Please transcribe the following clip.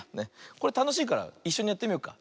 これたのしいからいっしょにやってみようか。